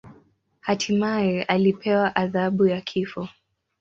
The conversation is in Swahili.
Hatimaye alipewa adhabu ya kifo.